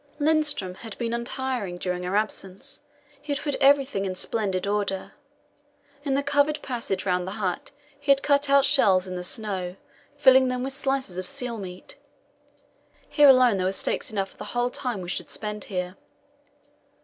Lindström had been untiring during our absence; he had put everything in splendid order. In the covered passage round the hut he had cut out shelves in the snow and filled them with slices of seal meat. Here alone there were steaks enough for the whole time we should spend here.